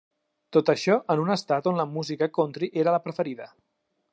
Tot això en un Estat on la música country era la preferida.